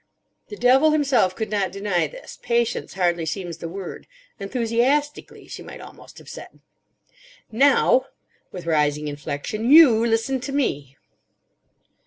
(The devil himself could not deny this. "Patience" hardly seems the word. "Enthusiastically" she might almost have said). "Now"—with rising inflection—"you listen to me."